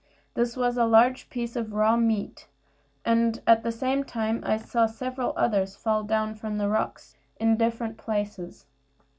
This was a large piece of raw meat; and at the same time I saw several others fall down from the rocks in different places.